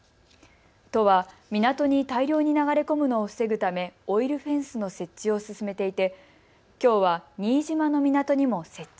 都は港に大量に流れ込むのを防ぐため、オイルフェンスの設置を進めていてきょうは新島の港にも設置。